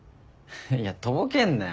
いやとぼけんなよ。